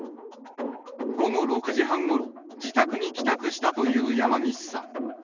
午後６時半ごろ、自宅に帰宅したという山岸さん。